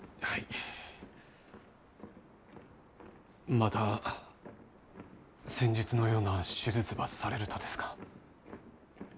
また先日のような手術ばされるとですか？